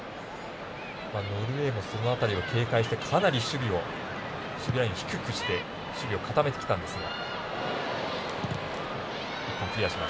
ノルウェーもその辺り警戒してかなり守備ラインを低くして守備ラインを固めてきたんですが。